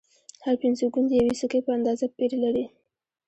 هر پنځه ګون د یوې سکې په اندازه پیر لري